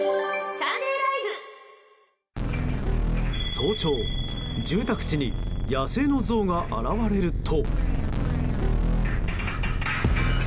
早朝、住宅地に野生のゾウが現れると。